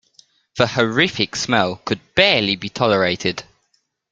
The horrific smell could barely be tolerated.